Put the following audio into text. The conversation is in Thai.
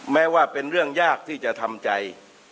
แม้ว่าเป็นเรื่องยากที่จะทำใจ